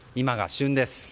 今が旬です。